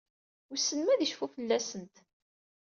Wissen ma ad icfu fell-asent?